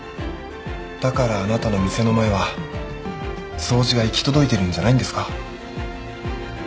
だからあなたの店の前は掃除が行き届いてるんじゃないんですか？